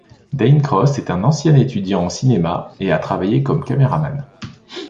Dane Cross est un ancien étudiant en cinéma et a travaillé comme caméraman.